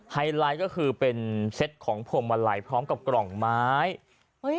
ไฮไลท์ก็คือเป็นเซตของพวงมาลัยพร้อมกับกล่องไม้เฮ้ย